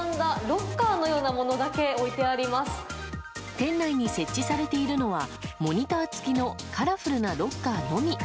店内に設置されているのはモニター付きのカラフルなロッカーのみ。